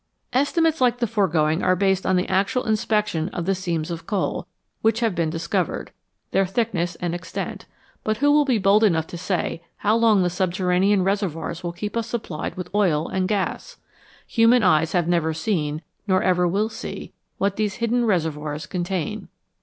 Estimates like the foregoing are based on the actual inspection of the seams of coal which have been dis covered, their thickness and extent, but who will be bold enough to say how long the subterranean reservoirs will keep us supplied with oil and gas ? Human eyes have never seen, nor ever will see, what these hidden reservoirs contain.